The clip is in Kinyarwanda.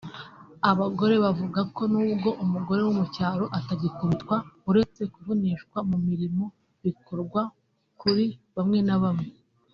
Abagore bavuga ko nubwo umugore wo mu cyaro atagikubitwa uretse kuvunishwa mu mirimo bikorwa kuri bamwe na bamwe